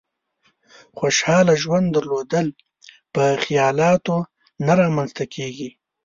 خوشحاله ژوند درلودل په خيالاتو نه رامېنځ ته کېږي.